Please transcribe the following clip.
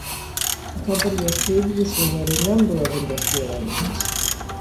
The company has previously made a number of industrial engines.